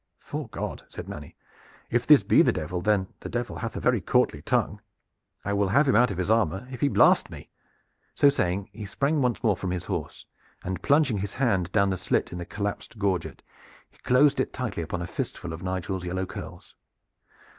"'Fore God!" said Manny, "if this be the Devil, then the Devil hath a very courtly tongue. I will have him out of his armor, if he blast me!" So saying he sprang once more from his horse and plunging his hand down the slit in the collapsed gorget he closed it tightly upon a fistful of Nigel's yellow curls.